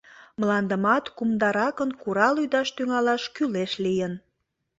Мландымат кумдаракын курал-ӱдаш тӱҥалаш кӱлеш лийын.